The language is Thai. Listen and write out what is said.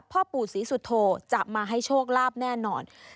พ่อปู่ศรีสุโธจะมาให้โชคลาภแน่นอน